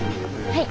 はい。